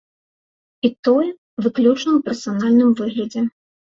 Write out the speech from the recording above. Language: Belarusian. І тое, выключна ў персанальным выглядзе.